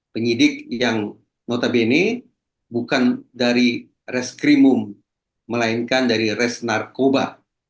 penyidik yang notabene bukan dari reskrimum melainkan dari res narkoba